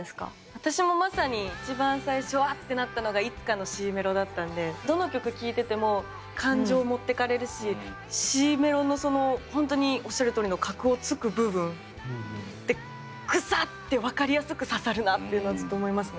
私もまさに一番最初うわあってなったのがどの曲聴いてても感情持ってかれるしＣメロのそのほんとにおっしゃるとおりの核をつく部分でグサッて分かりやすく刺さるなっていうのはずっと思いますね。